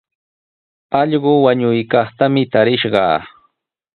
Allqu wañunaykaqtami tarishqaa.